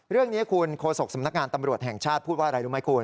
เรื่องนี้คุณโฆษกสำนักงานตำรวจแห่งชาติพูดว่าอะไรรู้ไหมคุณ